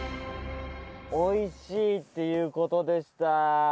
おいしいっていう事でした。